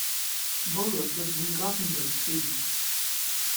Bo Leuf lived in Gothenburg, Sweden.